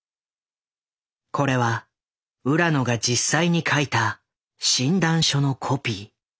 これは浦野が実際に書いた診断書のコピー。